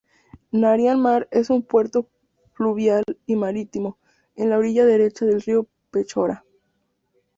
Narian-Mar es un puerto fluvial y marítimo, en la orilla derecha del río Pechora.